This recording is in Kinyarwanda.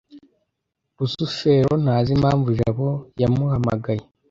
rusufero ntazi impamvu jabo yamuhamagaye